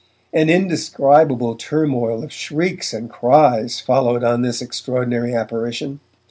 An indescribable turmoil of shrieks and cries followed on this extraordinary apparition.